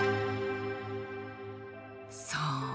そう！